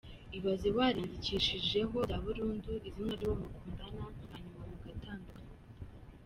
Ibaze wariyandikishijeho bya burundu izina ry’uwo mukundana hanyuma mugatandukana ?!!!!.